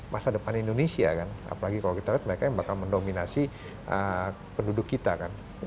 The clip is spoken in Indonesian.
masa depan indonesia kan apalagi kalau kita lihat mereka yang bakal mendominasi penduduk kita kan